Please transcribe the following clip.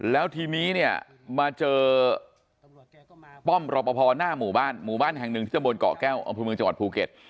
แล้วทีนี้เนี่ยมาเจอป้อมรอปภหน้าหมู่บ้านหมู่บ้านแห่งหนึ่งที่ตะบนเกาะแก้วอำเภอเมืองจังหวัดภูเก็ต